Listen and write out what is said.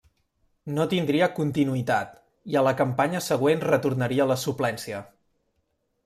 No tindria continuïtat, i a la campanya següent retornaria a la suplència.